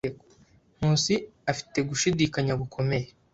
Nkusi afite gushidikanya gukomeye.